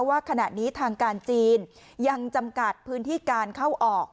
ว่าขณะนี้ทางการจีนยังจำกัดพื้นที่การเข้าออก